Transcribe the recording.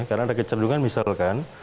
karena ada kecerdungan misalkan